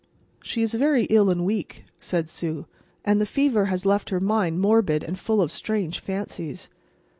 "She is very ill and weak," said Sue, "and the fever has left her mind morbid and full of strange fancies.